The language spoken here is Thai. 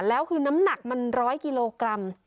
แล้วคือน้ำหนักมัน๑๐๐กิโลกรัม